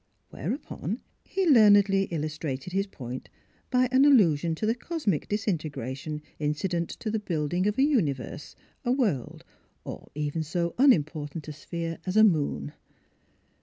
Where upon, he learnedly illustrated his point by an allusion to the cosmic disintegration incident to the building of a universe, a world, or even so unimportant a sphere as a moon.